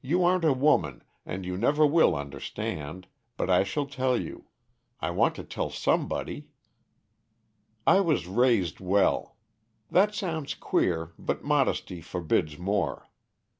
You aren't a woman, and you never will understand, but I shall tell you; I want to tell somebody. "I was raised well that sounds queer, but modesty forbids more.